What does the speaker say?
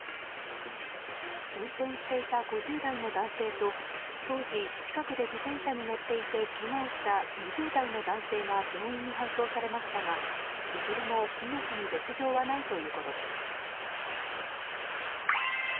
運転していた５０代の男性と当時、近くで自転車に乗っていてけがをした２０代の男性が病院に搬送されましたがいずれも命に別条はないということです。